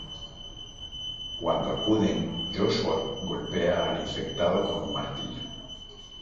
Cuando acuden, Joshua golpea al infectado con un martillo.